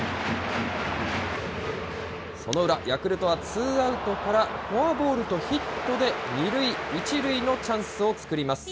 その裏、ヤクルトはツーアウトから、フォアボールとヒットで、２塁１塁のチャンスを作ります。